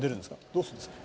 どうするんですか？